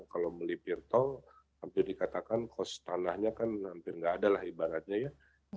kalau melipir tong hampir dikatakan kos tanahnya kan hampir enggak adalah ibaratnya ya